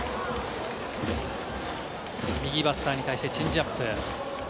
右バッターに対してチェンジアップ。